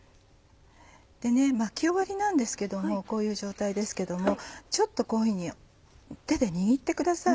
巻き終わりなんですけどこういう状態ですけどもちょっとこういうふうに手で握ってください。